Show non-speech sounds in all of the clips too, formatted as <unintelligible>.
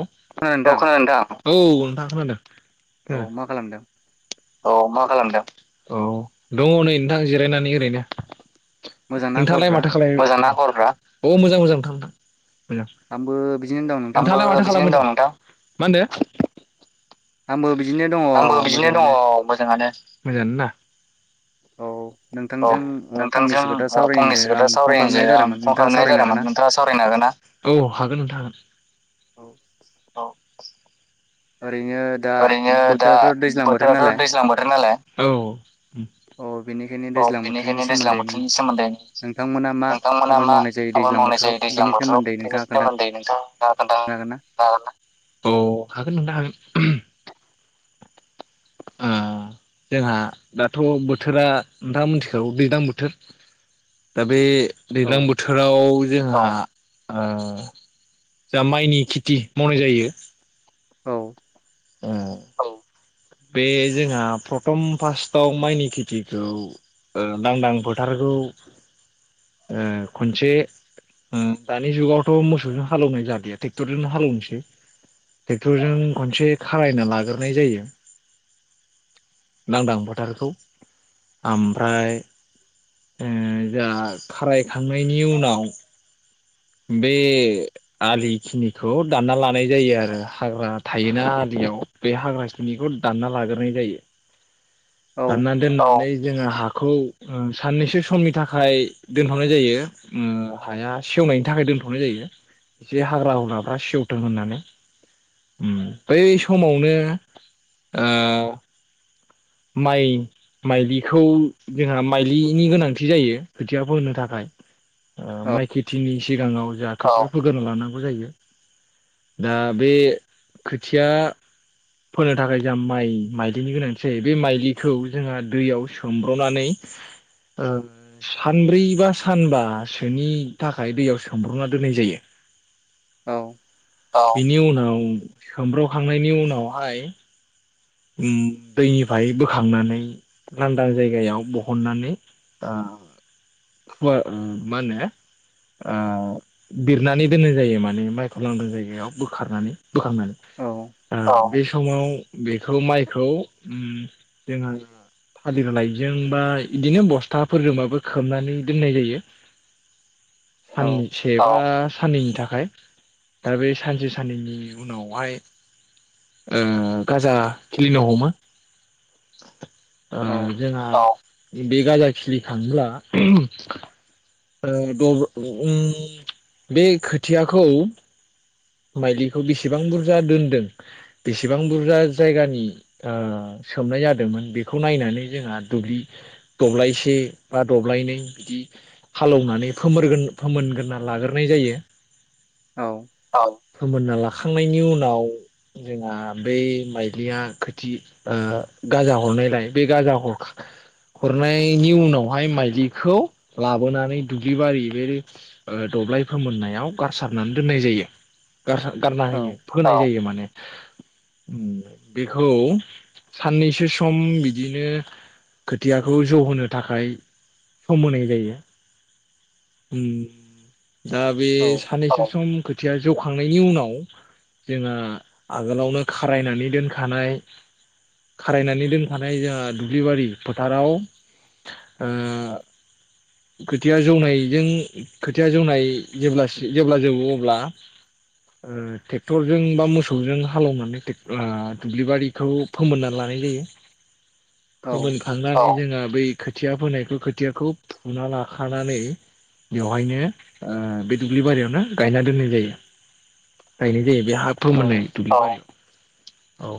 औ खोनादों नोंथां। औ नोंथाङा खोनादों। औ खोनादों। मा खालामदों? औ मा खालामदों औ दङ नै नोंथां जिरायनानै ओरैनो मोजांना नोंथाङालाय खबरफ्रा माथो <unintelligible> अ मोजां मोजां नोंथां नोंथां। मोजां आंबो बिदिनो दं नोंथां <unintelligible> मा होनदो? आबो बि आंबो बिदिनो दङ मोजाङानो मोजांआनो ना औ औ नोंथांजों ओ नोंथांजों फंनैसो खोथा अ सावरायनोसो फंनैसो खोथा आं फन सावरायनोसै खालामनाय आं जादोंमोन फन नोंथाङा खालामनाय सावरायनो जादों हागोन ना नोंथाङा सावरायनो हागोन ना औ हागोन नोंथां हागोन। औ <inaudible> ओरैनो दा ओरैनो दा बोथोराथ' दैज्लां बोथोर नालाय बोथोराथ' दैज्लां बोथोर नालाय औ अ अ बेनिखायनो दैज्लां बोथोरनि सोमोन्दै मा नोंथांमोना आबाद मा मावनाय जायो आबाद दैज्लां मावनाय बोथोराव जायो दैज्लां बिनि बोथोराव सोमोन्दै बेनि नोंथाङा खोन्थानो सोमोन्दै नोंथांआ हागोन ना खोनथानो हागोन ना? उम जोंहा दाथ' बोथोरा नोंथाङा मोनथिखागौ दैलां बोथोर दा बे दैलां औ बोथोराव जोंहा आ जाहा माइनि खेथि मावनाय जायो औ औ बे जोंहा प्रथम फासटाव माइनि खेथिखौ ओ लांदां फोथारखौ ओ खनसे ओ दानि जुगावथ' मोसौजों हालेवनाय जादेया ट्रेक्टरजों हालौनोसै ट्रेक्टरजों खनसे खारायना लाग्रोनाय जायो लांदां फोथारखौ ओमफ्राय ओ जा खारायखांनायनि उनाव बे आलिखिनिखौ दानना लानाय जायो आरो हाग्रा थायोना आलियाव बे हाग्रा खिनिखौ दानना लाग्रोनाय जायो औ दाननादोननानै जोङो हा हाखौ साननैसो समनि थाखाय दोनथ'नाय जायो उम हाया सेवनायनि थाखाय दोनथ'नाय जायो एसे हाग्रा हुग्राफ्रा सेवथों होननानै उम बै समावनो ओ माइ माइलिखौ जोंहा माइलिनि गोनांथि जायो खोथिया फोनो थाखाय औ माइ खेथिनि सिगाङाव जा खाथियाव फोग्रोना लानांगौ जायो दा बे खोथिया फोनो थाखाय जा माइ माइलिनि गोनांथि जे बे माइलिखौ जोंहा दैयाव सोमब्र'नानै ओ सानब्रैबा सानबासोनि थाखाय दैयाव सोमब्र'ना दोननाय जायो औ अ बेनि उनाव सोमब्रखांनायनि उनावहाय दैनिफ्राय बोखांनानै लांदां जायगायाव बहननानै ओ मा होनो बिरनानै दोननाय जायो माने माइखौ लांदां जायगायाव बोखारनानै औ बोखारनानै ओ बे समाव बे खौ माइखौ उम जोंहा थालिर लाइजों बा इदिनो बस्थाफोरजोंबाबो खोबनानै दोननाय जायो सानसेबा साननैनि थाखाय दा बे सानसे साननैनि उनावहाय ओ गाजा खिलिनो हमो ओ औ जोंहा बे गाजा खिलि खाङोब्ला बे खोथियाखौ माइलिखौ बेसेबां बुरजा दोनदों बेसेबां बुरजा जायगानि ओ सोमनाय जादोंमोन बेखौ नायनानै जोंहा दुब्लि दब्लायसे बा दब्लायनै बिदि हालेवनानै फोरगोन फोमोनग्रोना लाग्रोनाय जायो औ औ फोमोनना लाखांनायनि उनाव जोंहा बै माइलिया खोथि ओ गाजा हरनायलाय बे गाजा हर हरनायनि उनावहाय माइलिखौ लाबोनानै दुब्लि बारि बे ओ दब्लाय फोमोननायाव गारसारनानै दोननाय जायो गारसा गारना होयो फोना होयो माने उम बेखौ साननैसो सम बिदिनो खोथियाखौ जौ होनो थाखाय सम होनाय जायो दा बे औ साननैसो सम खोथिया जौखांनायनि उनाव जोंहा आगोलावनो खारायनानै दोनखानाय खारायनानै दोनखानाय जोंहा दुब्लिबारि फोथाराव ओ खोथिया जौनायजों खोथिया जौनाय जे जेब्ला जौ अब्ला ओ ट्रेक्टरजों बा मोसौजों हालौवनानै ओ दुब्लि बारिखौ फोमोनना लानाय जायो औ फोरमायनो थांनोखै जोंना <unintelligible> बै खोथिया फोनायखौ खोथियाखौ फुना लाखानानै बेवहायनो ओ बे दुब्लि बारियावनो गायना दोननाय जायो गायनाय जायो बेहाबाथ मे औ औ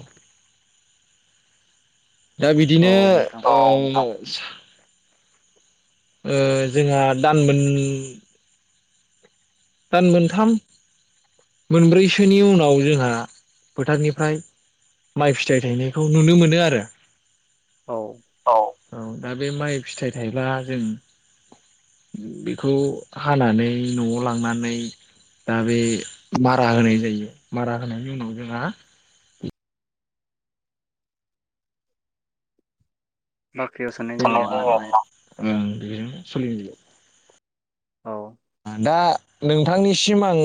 दा औ बिदिनो नोंथां ओ जोंहा दानमोन। दान मोनथाम मोनब्रैसोनि उनाव जोंहा फोथारनिफ्राय माइ फिथाइ थायनायखौ नुनो मोनो आरो। औ औ दा बे माइ फिथाइ थाइब्ला जों बेखौ हानानै न'आव लांनानै दा बे मारा होनाय जायो मारा होनायनि उनाव जोंहा बाख्रियाव सोनाय जायो आरोना बेनो सलि औ दा नोंथांनिसिम आं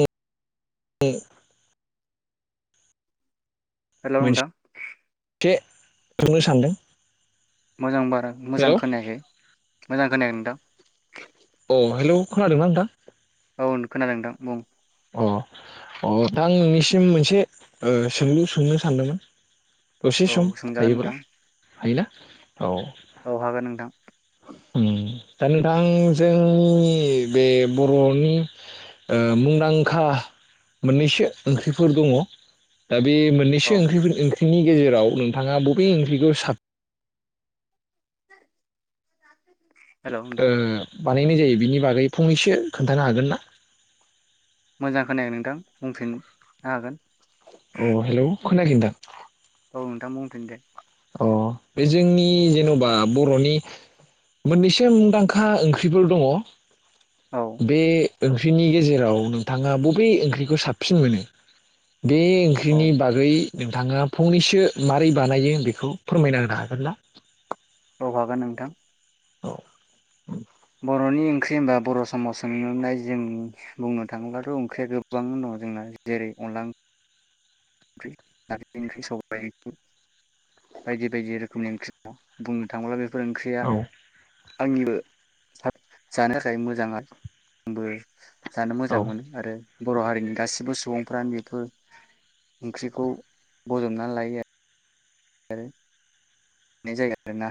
हेलौ नोंथां मोनसे सोंनो सानदों मोजां बारा मोजां हेलौ खोनायाखै। मोजां खोनायाखै‌ नोंथां। अ हेलौ खोनादों ना नोंथां? औ खोनादों नोंथां बुं अ अ दा आं नोंनिसिम मोनसे ओ सोंलु सोंनो सानदोंमोन। दसे औ सम सोंजागोन हायोबोला नोंथां हायोना औ औ हागोन नोंथां। ओं दा नोंथां जोंनि बे बर'नि मुंदांखा मोननैसो ओंख्रिफोर दङ दा बे औ मोननैसो ओंख्रि ओंख्रिनि गेजेराव नोंथाङा बबे ओंख्रिखौ साब हेल' नोंथां ओ बानायनाय जायो बिनि बागै फंनैसो खोन्थानो हागोन ना? मोजां खोनाया नोंथां? बुंफिननो औ हेलौ खोनायाखै नोंथां। औ नोंथां बुंफिन दे। अ बे जोंनि जेन'बा बर'नि मोननैसो मुंदांखा ओंख्रिफोर दङ। औ बे ओंख्रिनि गेजेराव नोंथाङा बबे ओंख्रिखौ साबसिन मोनो? बे औ ओंख्रिनि बागै नोंथाङा फंनैसो मारै बानाय जो बेखौ फोरमायना होनो हागोन ना? आं हागोन नोंथां। औ बर'नि ओंख्रि होनबा बर' समाव सोंनोनाय जों बुंनो थाङोब्लाथ' ओंख्रिया गोबांनो दङ जोंना जेरै अनला ओंख्रि नारजि ओंख्रि सबाय बायदि बायदि रोखोमनि ओंख्रि स <unintelligible> बुंनो थाङोब्ला बे बेफोर ओंख्रिया औ आंनिबो <unintelligible> जानो मोजाङा आंबो जानो औ मोजां मोनो आरो बर' हारिनि गासिबो सुबुंफ्रानो बेफोर ओंख्रिखौ बजबनानै लायो आरो <unintelligible> जायगा आरो ना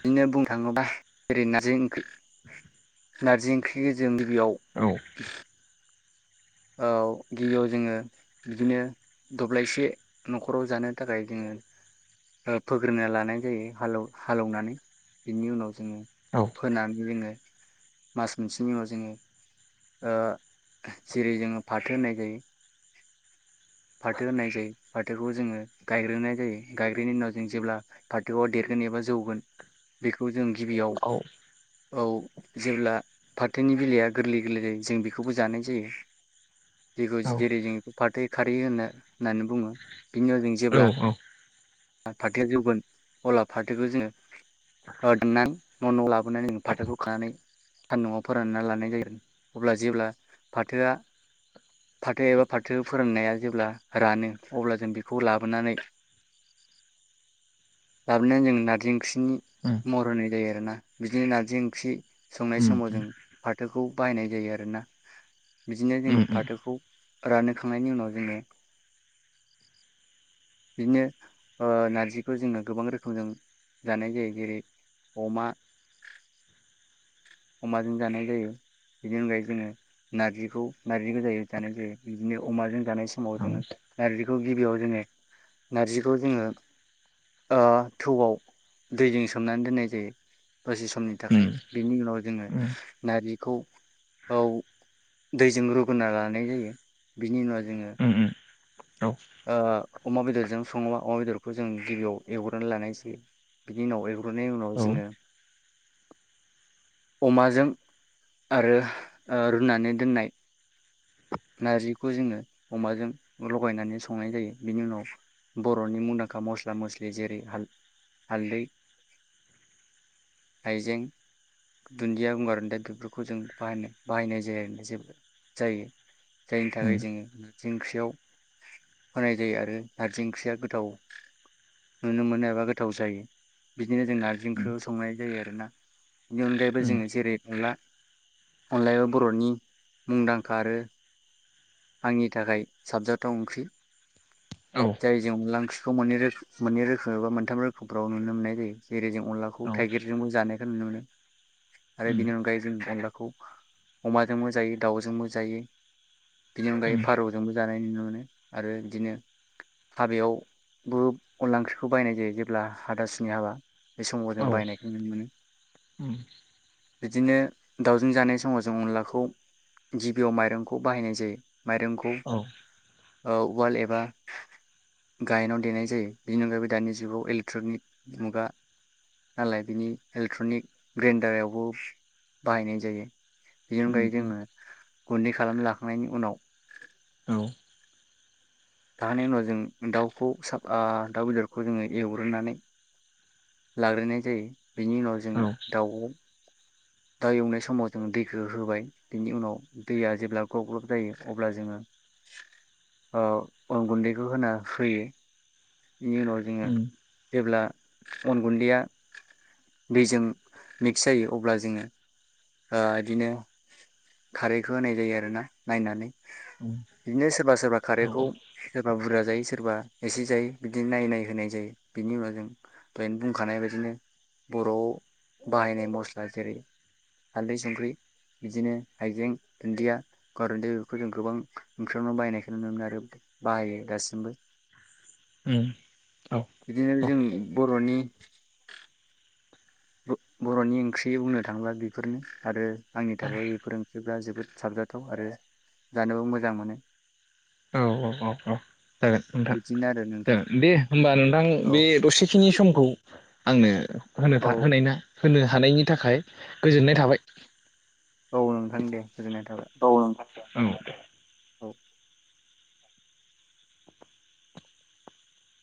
बिदिनो बुंनो थाङोबा जेरै नारजि ओंख्रि नारजि ओंख्रिखौ जों औ <unintelligible> औ गिबियाव जोङो बिदिनो दब्लायसे न'खराव जानो थाखाय जोङो ओ फोग्रोनना लानाय जायो हाल हालौवनानै बिनि उनाव जोङो फोनानै जोङो मास मोनसेनि उनाव जोङो ओ जेरै जोङो फाथो होननाय जायो फाथो होननाय जायो फाथोखौ जोङो गायग्रोनाय जायो गायग्रोननि उनाव जों जेब्ला फाथो देरगोन एबा जौगोन बेखौ जों गिबियाव औ औ जेब्ला फाथोनि बिलाइया गोरलै गोरलै जायो जों बेखौबो जानाय जायो। जेखौ औ जेरै जों फाथै खारै होनो होननानै बुङो बिनि उनाव जों औ जेब्ला औ फाथोआ जौगोन अब्ला फाथोखौ जोङो <unintelligible> मन' लाब <unintelligible> फाथोखौ खानानै सान्दुंआव फोरानना लानाय जागोन अब्ला जेब्ला फाथोआ फाथो एबा फाथो फोराननाया जेब्ला रानो अब्ला जों बेखौ लाबोनानै लाबोनानै जों नारजि ओंख्रि नि महर होननाय जायो आरो ना बिदिनो नारजि ओंख्रि संनाय उम समाव जों फाथोखौ बायनाय जायो आरो ना। बिदिनो उम जोङो उम फाथोखौ रानखांनायनि उनाव जोङो बिनो ओ नारजिखौ जोङो गोबां रोखोमजों जानाय जायो जेरै अमा अमाजों जानाय जायो बिनि अनगायै जोङो नारजिखौ नारजि गोजायो जानाय जायो बिदिनो अमाजों जानाय समाव औ उम जोङो नारजिखौ गिबियाव जोङो नारजिखौ जोङो ओ थौआव दैजों सोमनानै दोननाय जायो। दसे समनि थाखाय। बेनि उनाव जोङो उम नारजि खौ औ दैजों रुगोनना लानाय जायो बिनि उनाव जोङो उम उम औ ओ अमा बेदरजों सङोबा अमा बेदरखौ जों गिबियाव एवग्रोननानै लानाय जायो। बिनि उनाव एवग्रोनायनि उनाव औ जोङो अमाजों आरो ओ रुनानै दोननाय नारजिखौ जोङो अमाजों लगायनानै संनाय जायो बिनि उनाव बर'नि मुंदांखा मस्ला मस्लि जेरैाल हालदै हायजें दुन्दिया गंगार दा बेफोरखौ जों बाह बाहायनाय जाया जेबो जायो। जायनि उम थाखाय जोङो नारजि ओंख्रियाव होनाय जायो आरो नारजि ओंख्रिया गोथाव नुनो मोनो एबा गोथाव जायो। बिदिनो जों नारजि ओंख्रि संनाय जायो आरो ना। <unintelligible> उम जोङो जेरै नंला अनलायाबो बर'नि मुंदांखा आरो आंनि थाखाय साबजाथाव ओंख्रि औ जाय जों अनला ओंख्रि बे मोननै रोखोम मोननै रोखोम एबा मोनथाम रोखोमफ्राव नुनो मोननाय जायो जेरै जों अनलाखौ औ थाइगिरजोंबो जानायखौ नुनो मोनो आरो उम बेनि अनगायै जों अनलाखौ अमाजोंबो जायो दाउजोंबो जायो बिनि अनगायै उम फारौजोंबो जानाय नुनो मोनो आरो बिदिनो हाबायावबो अनला ओंख्रिखौ बायनाय जायो जेब्ला हाथासुनि हाबा बे समाव जों औ बाहायनायखौ नुनो मोनो बिदिनो दाउजों जानाय समाव जों अनलाखौ गिबियाव माइरंखौ बाहायनाय जायो माइरंखौ औ ओ उवाल एबा एबा गाहेनाव देनाय जायो बेनि अनगायैबो दानि जुगाव इलेक्ट्रनिक मुगा नालाय बिनि इलेक्ट्रनिक ग्रेन्डारावबो बाहायनाय जायो बेनि उम अनगायै उम जोङो गुन्दै खालामना लाखांनायनि उनाव औ उनाव जों दाउखौ दाउ बेदरखौ जोङो एवग्रोनानै लाग्रोनाय जायो बिनि उनाव जों दाउ दाउ एवनाय समाव जोङो दैखौ होबाय बिनि उनाव दैया जेब्ला ग्लब ग्लब जायो अब्ला जोङो अन गुन्दैखौ होना होयो बेनि उनाव जोङो उम जेब्ला अन गुन्दैया दैजों मिक्स जायो अब्ला जोङो ओ इदिनो खारैखौ होनाय जायो आरो ना नायनानै उम बिदिनो सोरबा सोरबा औ उम औ खारैखौ सोरबा बुरजा जायो सोरबा एसे जायो बिदि नायै नाय होनाय जायो बिनि उनाव जों दहानो बुंखानाय बाददिनो बर'आव बाहायनाय मस्ला जेरै हालदै संख्रि बिदिनो हाइजें दुन्दिया गंगार दुन्दिया बेफोरखौ जों गोबां ओंख्रियावनो बाहायनायखौ नुनो मोनो आरो बाहायो दासिमबो औ बिदिनो जों बर'नि बर'नि ओंख्रि बुंनो थाङोब्ला बेफोरनो आरो आंनि थाखाय बेफोर ओंख्रिफ्रा जोबोद साबजाथाव आरो जानोबो मोजां मोनो औ औ औ जागोन नोंथां बिदिनो आरो नोंथां जागोन दे होमबा नोंथां औ बे दसेखिनि समखौ आंनो होनो <unintelligible> औ होनायना होनो हानायनि थाखाय गोजोननाय थाबाय औ नोंथां दे गोजोननाय थाबाय औ नोंथां औ औ